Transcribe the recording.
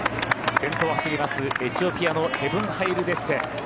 先頭を走りますエチオピアのヘヴン・ハイル・デッセ。